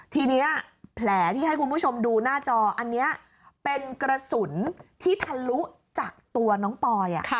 ทีนี้แผลที่ให้คุณผู้ชมดูหน้าจออันนี้เป็นกระสุนที่ทะลุจากตัวน้องปอย